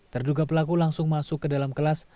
terduga pelaku langsung masuk ke dalam kelas